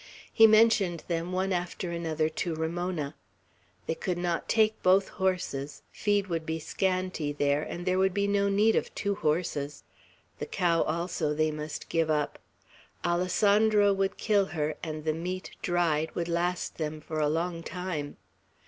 He mentioned them one after another to Ramona. They could not take both horses; feed would be scanty there, and there would be no need of two horses. The cow also they must give up. Alessandro would kill her, and the meat, dried, would last them for a long time.